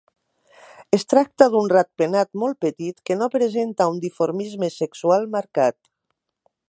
Es tracta d'un ratpenat molt petit que no presenta un dimorfisme sexual marcat.